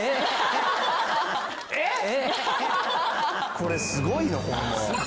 これすごいなホンマ。